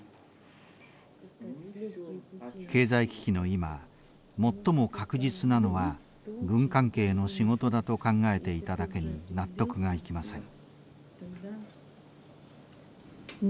経済危機の今最も確実なのは軍関係の仕事だと考えていただけに納得がいきません。